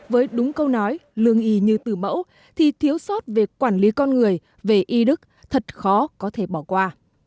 với đúng câu nói lương y như từ mẫu thì thiếu sót về quản lý con người về y đức thật khó có thể bỏ qua